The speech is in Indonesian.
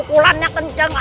aku sudah terlalu keras